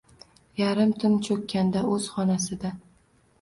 Yarim tun cho’kkanda, o’z xonasida